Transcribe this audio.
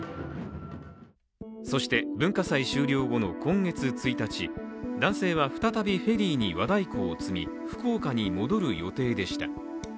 そして、文化祭終了後の今月１日男性は再びフェリーに和太鼓を積み福岡に戻る予定でした。